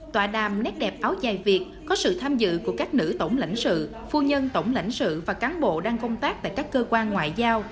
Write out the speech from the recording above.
tòa đàm nét đẹp áo dài việt có sự tham dự của các nữ tổng lãnh sự phu nhân tổng lãnh sự và cán bộ đang công tác tại các cơ quan ngoại giao